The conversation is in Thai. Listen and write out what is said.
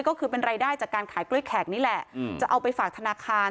ก็คือเป็นรายได้จากการขายกล้วยแขกนี่แหละจะเอาไปฝากธนาคาร